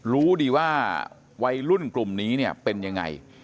รู้ดีว่าวัยรุ่นกลุ่มนี้เนี่ยเป็นยังไง